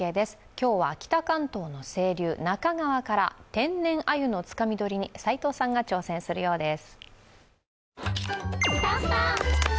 今日は、北関東の清流、那珂川から天然アユのつかみ取りに齋藤さんが挑戦するようです。